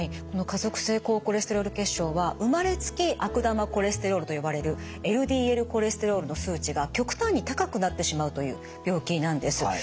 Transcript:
この家族性高コレステロール血症は生まれつき悪玉コレステロールとよばれるＬＤＬコレステロールの数値が極端に高くなってしまうという病気なんです。